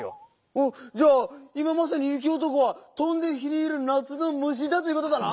おっじゃあいままさにゆきおとこは「とんで火にいるなつのむし」だということだな！